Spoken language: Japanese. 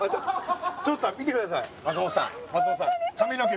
ちょっと見てください松元さん